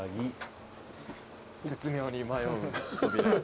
絶妙に迷う扉。